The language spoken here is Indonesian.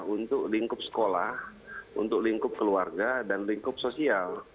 untuk lingkup sekolah untuk lingkup keluarga dan lingkup sosial